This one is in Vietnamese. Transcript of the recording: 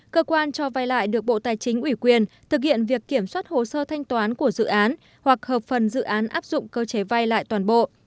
cơ quan cho vay lại được bộ tài chính ủy quyền thực hiện việc kiểm soát hồ sơ thanh toán của dự án hoặc hợp phần dự án áp dụng cơ chế vay lại toàn bộ